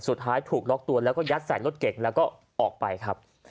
สุดท้ายถูกล็อกตัวแล้วก็ยัดใส่รถเก่งแล้วก็ออกไปครับ